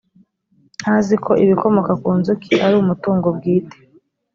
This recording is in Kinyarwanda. ntazi ko ibikomoka ku nzuki ari umutungo bwite